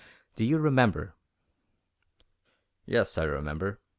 Do you remember?" "Yes, I remember.